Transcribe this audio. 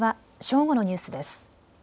正午のニュースです。